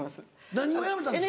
何を辞めたんですか？